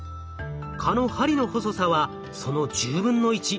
蚊の針の細さはその１０分の１。